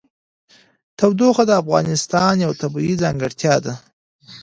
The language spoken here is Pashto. تودوخه د افغانستان یوه طبیعي ځانګړتیا ده.